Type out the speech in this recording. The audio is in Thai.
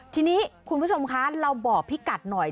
ทีนี้คุณผู้ชมคะเราบอกพี่กัดหน่อย